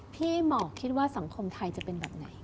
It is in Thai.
พี่หมอคิดว่าสังคมไทยจะเป็นแบบไหน